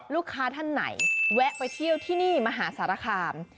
ท่านไหนแวะไปเที่ยวที่นี่มหาสารคาม